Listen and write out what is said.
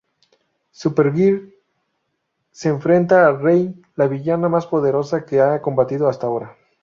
Supergirl se enfrenta a Reign, la villana más poderosa que ha combatido hasta ahora.